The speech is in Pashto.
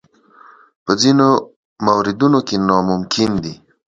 په ځینو موردونو کې ناممکن دي.